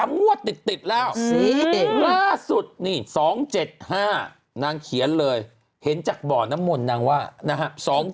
งวดติดแล้วล่าสุดนี่๒๗๕นางเขียนเลยเห็นจากบ่อน้ำมนต์นางว่านะฮะ